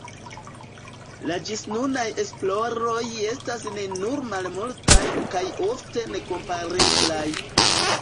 La ĝisnunaj esploroj estas ne nur malmultaj kaj ofte nekompareblaj.